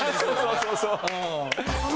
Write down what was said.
そうそうそう。